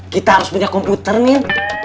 kita harus punya komputer nih